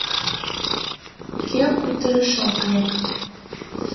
Кӧ кутырыш ок лек